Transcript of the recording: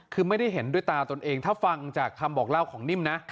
คือไม่ได้เห็นด้วยตาตนเองถ้าฟังจากคำบอกเล่าของนิ่มนะ